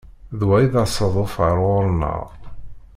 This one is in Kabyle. D wa i d asaḍuf ar ɣur-neɣ.